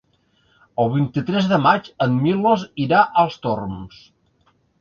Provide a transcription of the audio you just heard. El vint-i-tres de maig en Milos irà als Torms.